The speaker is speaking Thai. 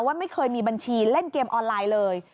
ว่าไม่เคยมีบัญชีเล่นเกมออนไลน์เลย